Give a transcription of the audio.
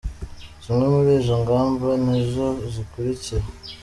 Zimwe muri izo ngamba ni izi zikurikira:.